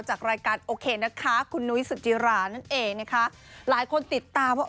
จากรายการโอเคนะคะคุณนุ้ยสุจิรานั่นเองนะคะหลายคนติดตามว่า